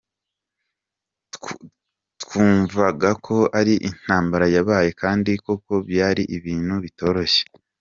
Twumvaga ko ari intambara yabaye kandi koko byari ibintu bitoroshye.